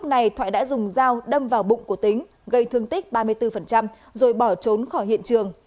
lúc này thoại đã dùng dao đâm vào bụng của tính gây thương tích ba mươi bốn rồi bỏ trốn khỏi hiện trường